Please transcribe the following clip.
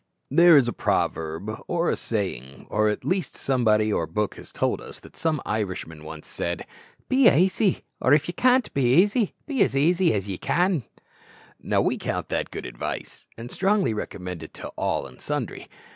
There is a proverb or a saying or at least somebody or book has told us, that some Irishman once said, "Be aisy; or, if ye can't be aisy, be as aisy as ye can." Now, we count that good advice, and strongly recommend it to all and sundry.